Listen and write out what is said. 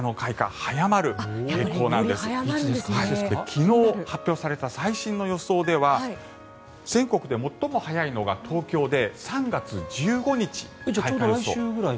昨日、発表された最新の予想では全国で最も早いのが東京で３月１５日くらい。